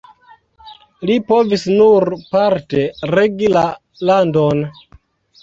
Li povis nur parte regi la landon.